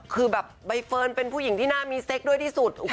คือแบบใบเฟิร์นเป็นผู้หญิงที่น่ามีเซ็กด้วยที่สุด